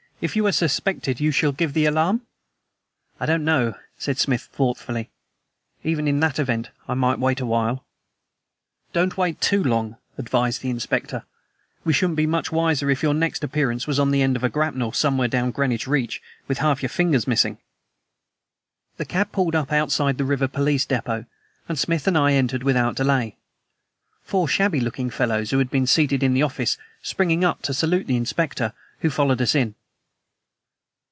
If you are suspected, you shall give the alarm?" "I don't know," said Smith thoughtfully. "Even in that event I might wait awhile." "Don't wait too long," advised the Inspector. "We shouldn't be much wiser if your next appearance was on the end of a grapnel, somewhere down Greenwich Reach, with half your fingers missing." The cab pulled up outside the river police depot, and Smith and I entered without delay, four shabby looking fellows who had been seated in the office springing up to salute the Inspector, who followed us in.